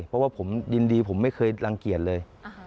เพราะว่าผมยินดีผมไม่เคยรังเกียจเลย